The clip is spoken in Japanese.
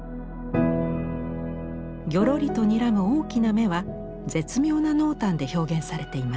ぎょろりとにらむ大きな目は絶妙な濃淡で表現されています。